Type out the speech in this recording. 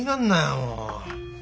もう。